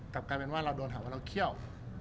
กลับกลายเป็นว่าเราโดนหาว่าเราเคี่ยว